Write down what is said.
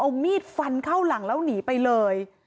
เอามีดฟันเข้าหลังแล้วหนีไปเลย